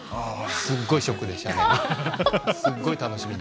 すごいショックでしたね。